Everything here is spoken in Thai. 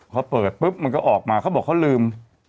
พอเปิดปุ๊บมันก็ออกมาเขาบอกเขาลืม